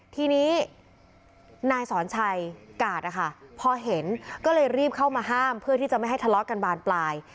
ทีนี้นายสอนชัยกาดนะคะพอเห็นก็เลยรีบเข้ามาห้ามเพื่อที่จะไม่ให้ทะเลาะกันบานปลาย